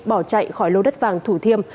bỏ chạy khỏi lô đất vàng thủ thiêm